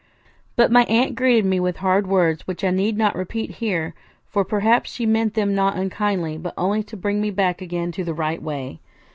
But my aunt greeted me with hard words, which I need not repeat here; for, perhaps, she meant them not unkindly, but only to bring me back again to the right way.